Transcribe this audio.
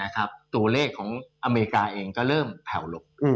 ตัวเลขของอเมริกาเองก็เริ่มแผ่วลง